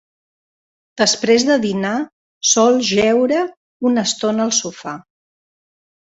Després de dinar sol jeure una estona al sofà.